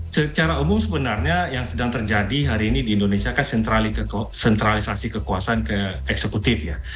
secara umum sebenarnya yang sedang terjadi hari ini di indonesia kan sentralisasi kekuasaan ke eksekutif ya